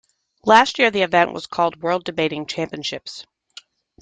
That year, the event was called the World Debating Championships.